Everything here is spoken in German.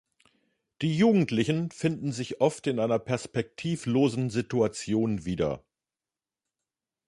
Die Jugendlichen finden sich oft in einer perspektivlosen Situation wieder.